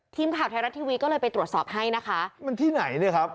ทีมข่าวไทยรัฐทีวีก็เลยไปตรวจสอบให้นะคะมันที่ไหนเนี่ยครับ